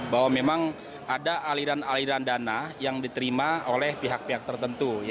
bahwa memang ada aliran aliran dana yang diterima oleh pihak pihak tertentu